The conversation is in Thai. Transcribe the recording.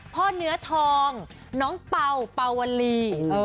เนื้อทองน้องเป่าเป่าวลี